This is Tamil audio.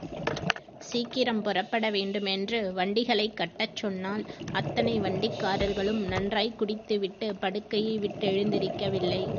சீக்கிரம் புறப்பட வேண்டுமென்று, வண்டிகளைக் கட்டச் சொன்னால், அத்தனை வண்டிக்காரர்களும், நன்றாய்க் குடித்து விட்டு, படுக்கையை விட்டெழுந்திருக்கவில்லை.